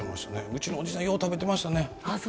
うちのおじさんよう食べてましたね。